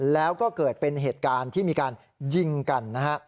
แล้วก็เกิดเป็นเหตุการณ์ที่มีการยิงกันนะฮะ